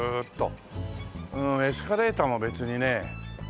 エスカレーターも別にねないし。